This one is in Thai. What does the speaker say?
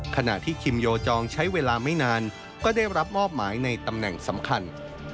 ขณะที่คิมโยจองใช้เวลาไม่นานก็ได้รับมอบหมายในตำแหน่งสำคัญ